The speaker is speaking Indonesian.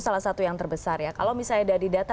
salah satu yang terbesar ya kalau misalnya dari data